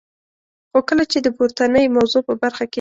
خو کله چي د پورتنی موضوع په برخه کي.